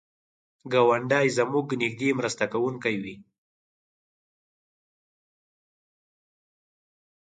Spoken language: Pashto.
ګاونډی زموږ نږدې مرسته کوونکی وي